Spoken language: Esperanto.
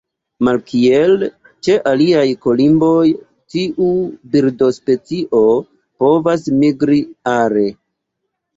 Malkiel ĉe aliaj kolimboj, tiu birdospecio povas migri are.